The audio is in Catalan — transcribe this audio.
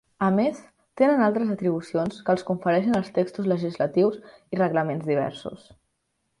A més tenen altres atribucions que els confereixen els textos legislatius i reglaments diversos.